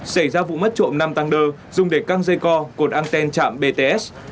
xảy ra vụ mất trộm năm tăng đơ dùng để căng dây co cột anten chạm bts